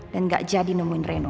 dan gak jadi nemuin reno